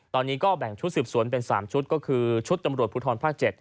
ตอนนี้ก็แบ่งชุดสืบสวนเป็น๓ชุดก็คือชุดตำรวจภูทรภาค๗